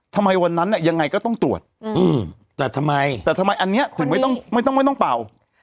ทำไมวันนั้นเนี่ยยังไงก็ต้องตรวจแต่ทำไมอันนี้ถึงไม่ต้องเป่า